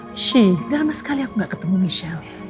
wish udah lama sekali aku gak ketemu michelle